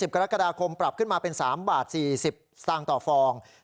กรกฎาคมปรับขึ้นมาเป็น๓บาท๔๐สตางค์ต่อฟอง